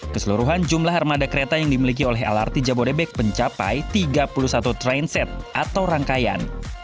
keseluruhan jumlah armada kereta yang dimiliki oleh lrt jabodebek mencapai tiga puluh satu trainset atau rangkaian